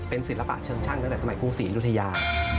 ศิลปะเชิงช่างตั้งแต่สมัยกรุงศรีอยุธยา